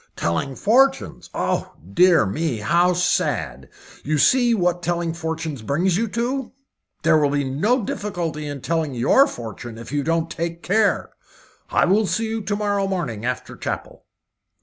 "Telling fortunes! Oh! Dear me! How sad! You see what telling fortunes brings you to? There will be no difficulty in telling your fortune if you don't take care. I will see you to morrow morning after chapel."